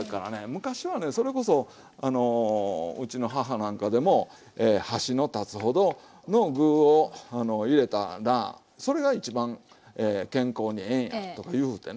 昔はねそれこそうちの母なんかでも箸の立つほどの具を入れたらそれが一番健康にええんやとか言うてね